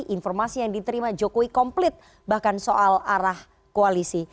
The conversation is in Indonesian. informasi yang diterima jokowi komplit bahkan soal arah koalisi